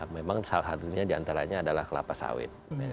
memang salah satunya diantaranya adalah kelapa sawit